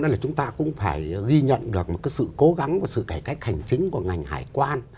nên là chúng ta cũng phải ghi nhận được một cái sự cố gắng của sự cải cách hành chính của ngành hải quan